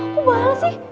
kok balas sih